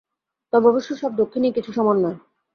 তবে অবশ্য সব দক্ষিণীই কিছু সমান নয়।